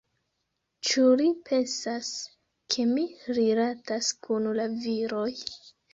Ĉu li pensas ke mi rilatas kun la viroj?